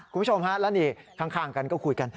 คุณผู้ชมฮะแล้วนี่ข้างกันก็คุยกัน